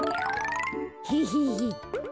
ヘヘヘ。